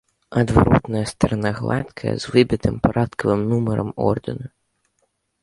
Адваротная старана гладкая, з выбітым парадкавым нумарам ордэна.